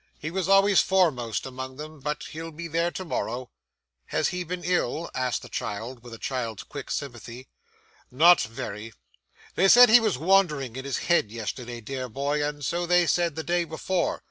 He was always foremost among them. But he'll be there to morrow.' 'Has he been ill?' asked the child, with a child's quick sympathy. 'Not very. They said he was wandering in his head yesterday, dear boy, and so they said the day before.